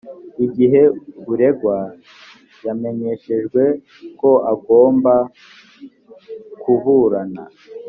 igihe uregwa yamenyeshejwe ko agomba kuburana